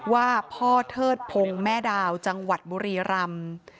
ว่าพ่อเทิดพงศ์แม่ดาวจังหวัดบุรีรำ